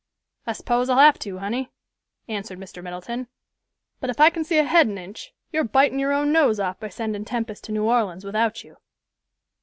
"I s'pose I'll have to, honey," answered Mr. Middleton; "but if I can see ahead an inch, you're bitin' your own nose off by sending Tempest to New Orleans without you."